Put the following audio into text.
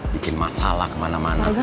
bikin masalah kemana mana